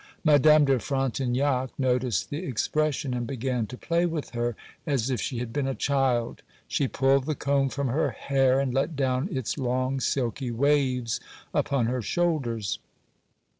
Madame de Frontignac noticed the expression, and began to play with her as if she had been a child. She pulled the comb from her hair, and let down its long silky waves upon her shoulders.